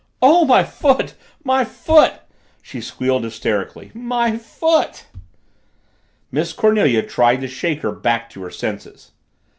"Oh, my foot my foot!" she squealed hysterically. "My foot!" Miss Cornelia tried to shake her back to her senses.